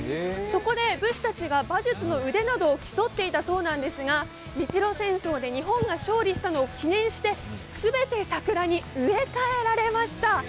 そこで武士たちが馬術の腕などを競っていたそうなんですが日露戦争で日本が勝利したのを記念して全て桜に植え替えられました。